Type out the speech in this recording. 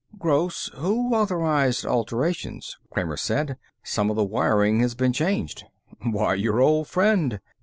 "Gross, who authorized alterations?" Kramer said. "Some of the wiring has been changed." "Why, your old friend."